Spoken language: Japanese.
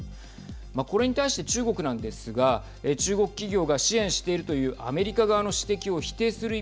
これに対して中国なんですが中国企業が支援しているというアメリカ側の指摘をはい。